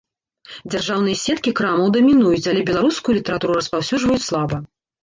Дзяржаўныя сеткі крамаў дамінуюць, але беларускую літаратуру распаўсюджваюць слаба.